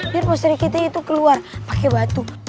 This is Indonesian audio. biar peseri kitty itu keluar pakai batu